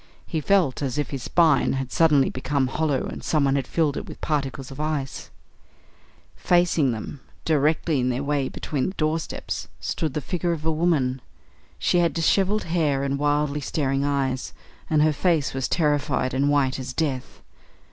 He felt as if his spine had suddenly become hollow and someone had filled it with particles of ice. Facing them, directly in their way between the doorposts, stood the figure of a woman. She had dishevelled hair and wildly staring eyes, and her face was terrified and white as death.